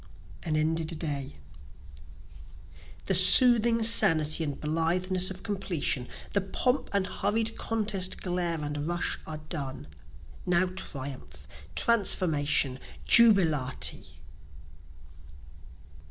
An Ended Day The soothing sanity and blitheness of completion, The pomp and hurried contest glare and rush are done; Now triumph! transformation! jubilate!